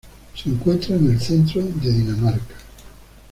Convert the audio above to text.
Se encuentra en el centro de Dinamarca.